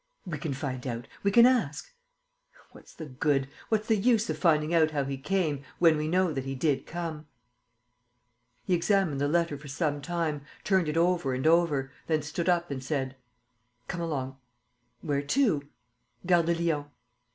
"We can find out ... we can ask...." "What's the good? What's the use of finding out how he came, when we know that he did come?" He examined the letter for some time, turned it over and over, then stood up and said: "Come along." "Where to?" "Gare de Lyon."